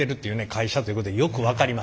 会社ということがよく分かりました。